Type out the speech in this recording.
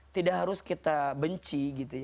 tidak harus kita benci